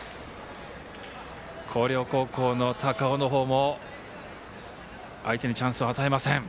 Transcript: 広陵高校の高尾の方も相手にチャンスを与えません。